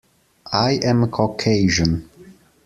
I am Caucasian.